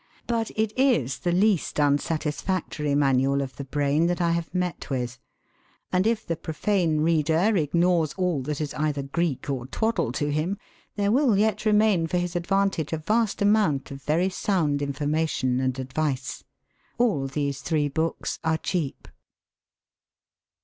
But it is the least unsatisfactory manual of the brain that I have met with. And if the profane reader ignores all that is either Greek or twaddle to him, there will yet remain for his advantage a vast amount of very sound information and advice. All these three books are cheap.